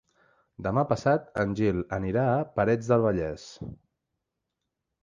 Demà passat en Gil anirà a Parets del Vallès.